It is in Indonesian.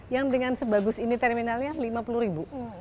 yang dengan sebagus ini terminalnya lima puluh ribu